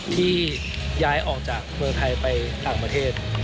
ที่ย้ายออกจากเมืองไทยไปต่างประเทศ